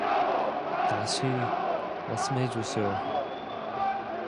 다시 말씀해 주세요